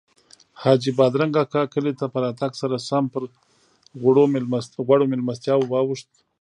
حاجي بادرنګ اکا کلي ته په راتګ سره سم پر غوړو میلمستیاوو واوښت.